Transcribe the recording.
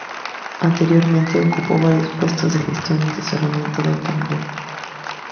Anteriormente, ocupó varios puestos de gestión y asesoramiento de alto nivel.